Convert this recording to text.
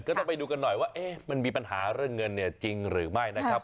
ก็ต้องไปดูกันหน่อยว่ามันมีปัญหาเรื่องเงินเนี่ยจริงหรือไม่นะครับ